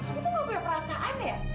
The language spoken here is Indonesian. kamu tuh gak punya perasaan ya